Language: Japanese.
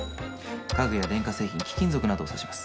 家具や電化製品貴金属などを指します。